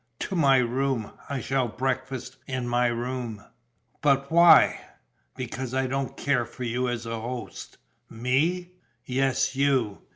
"To my room. I shall breakfast in my room." "But why?" "Because I don't care for you as a host." "Me?" "Yes, you.